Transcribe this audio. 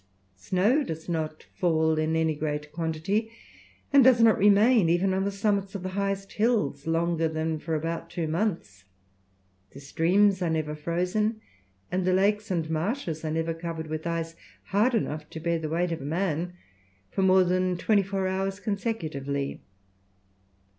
Snow does not fall in any great quantity, and does not remain even on the summits of the highest hills longer than for about two months. The streams are never frozen, and the lakes and marshes are never covered with ice hard enough to bear the weight of a man, for more than twenty four hours consecutively.